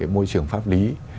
môi trường pháp lý